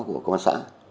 của công an xã